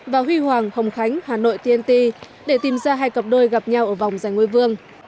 và huy hoàng hồng khánh hà nội tnt để tìm ra hai cặp đôi gặp nhau ở vòng giành ngôi vương